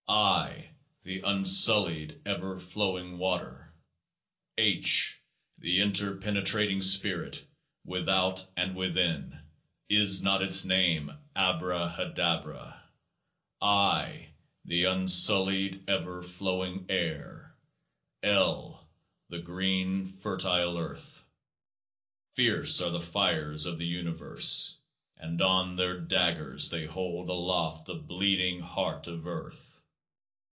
I. the unsullied ever flowing water. H. the interpenetrating Spirit, without and within. Is not its name ABRAHADABRA? I. the unsullied ever flowing air. L. the green fertile earth. Fierce are the Fires of the Universe, and on their daggers they hold aloft the bleeding heart of earth.